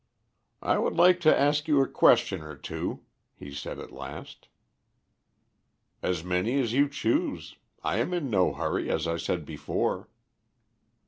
"I would like to ask you a question or two," he said at last. "As many as you choose. I am in no hurry, as I said before."